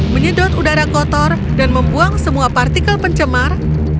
menyedot udara kotor dan membuang semua partikel pencemar